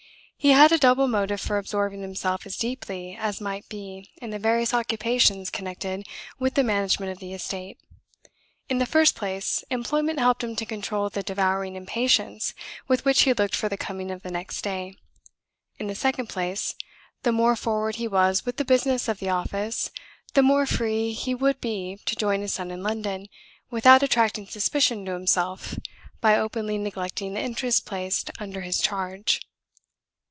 He had a double motive for absorbing himself as deeply as might be in the various occupations connected with the management of the estate. In the first place, employment helped him to control the devouring impatience with which he looked for the coming of the next day. In the second place, the more forward he was with the business of the office, the more free he would be to join his son in London, without attracting suspicion to himself by openly neglecting the interests placed under his charge.